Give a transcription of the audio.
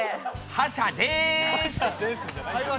覇者です！